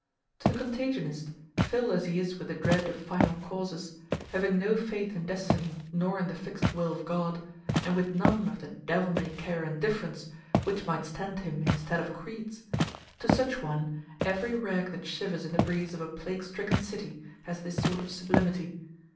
To the contagionist, filled as he is with the dread of final causes, having no faith in destiny nor in the fixed will of God, and with none of the devil may care indifference which might stand him instead of creeds—to such one, every rag that shivers in the breeze of a plague stricken city has this sort of sublimity.